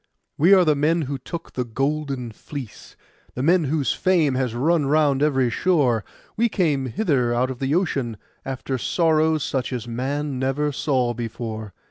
We are the men who took the golden fleece, the men whose fame has run round every shore. We came hither out of the ocean, after sorrows such as man never saw before.